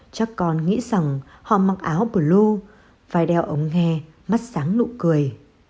chắc con nghĩ rằng họ mặc áo blue vai đeo ống nghe mắt sáng nụ cười